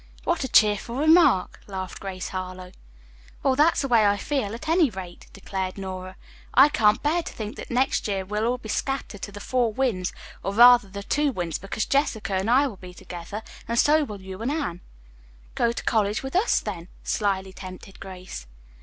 "What a cheerful remark," laughed Grace Harlowe. "Well, that's the way I feel, at any rate," declared Nora. "I can't bear to think that next year we'll all be scattered to the four winds, or, rather, the two winds, because Jessica and I will be together, and so will you and Anne." "Go to college with us, then," slyly tempted Grace.